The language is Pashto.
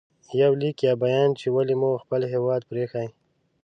• یو لیک یا بیان چې ولې مو خپل هېواد پرې ایښی